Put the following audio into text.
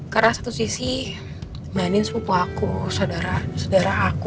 karena satu sisi mainin sepupu aku saudara saudara aku